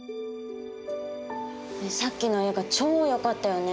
さっきの映画超よかったよね。